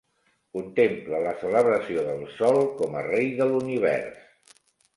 Contemple la celebració del sol com a rei de l’univers.